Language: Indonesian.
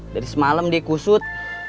dari semalam dia kusut